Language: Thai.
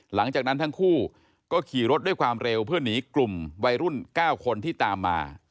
หลังจากนั้นทั้งคู่ก็ขี่รถด้วยความเร็วเพื่อหนีกลุ่มวัยรุ่น๙คนที่ตามมา